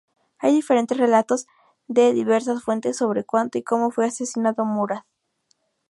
Hay diferentes relatos de diversas fuentes sobre cuándo y cómo fue asesinado Murad.